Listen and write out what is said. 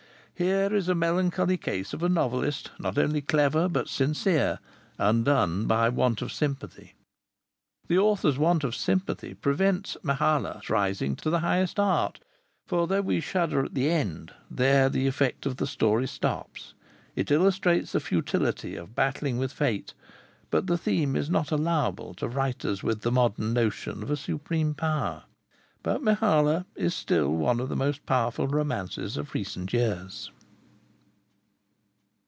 Here is a melancholy case of a novelist, not only clever but sincere, undone by want of sympathy.... The author's want of sympathy prevents 'Mehalah's' rising to the highest art; for though we shudder at the end, there the effect of the story stops. It illustrates the futility of battling with fate, but the theme is not allowable to writers with the modern notion of a Supreme Power.... But 'Mehalah' is still one of the most powerful romances of recent years."